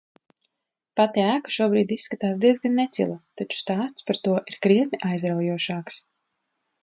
Pati ēka šobrīd izskatās diezgan necila, taču stāsts par to ir krietni aizraujošāks.